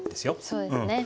そうですね。